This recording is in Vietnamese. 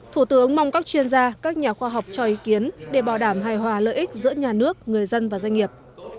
thủ tướng mong các chuyên gia các nhà khoa học cho ý kiến để bảo đảm hài hòa lợi ích giữa nhà nước người dân và doanh nghiệp